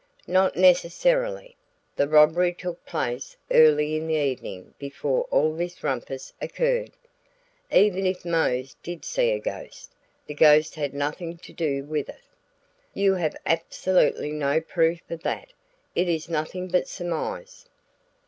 "Not necessarily. The robbery took place early in the evening before all this rumpus occurred. Even if Mose did see a ghost, the ghost had nothing to do with it." "You have absolutely no proof of that; it is nothing but surmise."